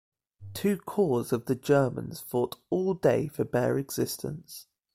Two corps of the Germans fought all day for bare existence.